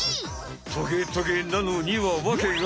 トゲトゲなのにはわけがある。